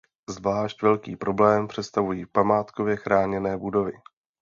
Zvlášť velký problém představují památkově chráněné budovy.